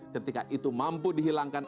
ketika itu mampu dihilangkan